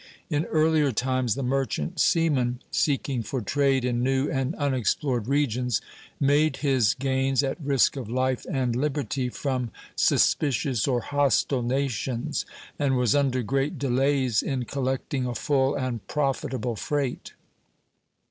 In earlier times the merchant seaman, seeking for trade in new and unexplored regions, made his gains at risk of life and liberty from suspicious or hostile nations, and was under great delays in collecting a full and profitable freight.